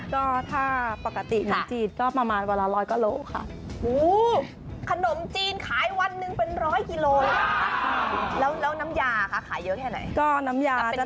ก็ถ้าปกติขนมจีนก็ประมาณเวลาร้อยก็โลค่ะ